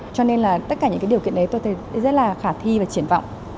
cho nên là tất cả những cái điều kiện đấy tôi thấy rất là khả thi và triển vọng